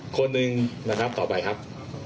คนหนึ่งนะครับต่อไปครับ